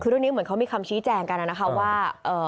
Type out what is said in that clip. คือตรงนี้เหมือนเขามีคำชี้แจงกันน่ะนะคะว่าเอ่อ